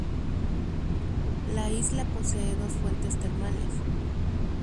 La isla posee dos fuentes termales.